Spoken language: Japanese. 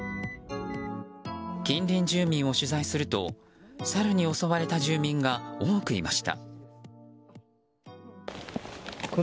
近隣住民を取材するとサルに襲われた住民が多くいました。